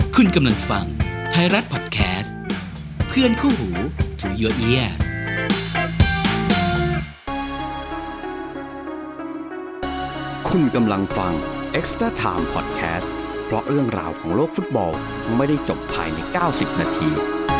คุณกำลังฟังไทยรัฐพอดแคสต์เพื่อนคู่หูที่คุณกำลังฟังพอดแคสต์บล็อกเรื่องราวของโลกฟุตบอลไม่ได้จบภายในเก้าสิบนาที